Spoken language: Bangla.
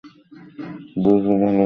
বুঝ ভালো করে, শাল চোদনা?